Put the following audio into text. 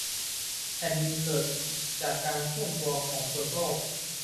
แผ่นดินเกิดจากการเคลื่อนตัวของเปลือกโลก